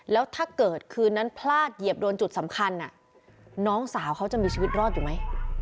แล้วถ้าเกิดคืนนั้นพลาดเหยียบโดนจุดสำคัญน้องสาวเขาจะมีชีวิตรอดอยู่ไหม